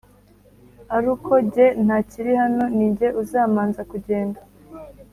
aruko jye ntakirihano nijye uzamanza kugenda